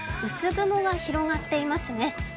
薄雲が広がっていますね。